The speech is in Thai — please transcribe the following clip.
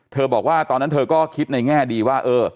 บอกว่าตอนนั้นเธอก็คิดในแง่ดีว่า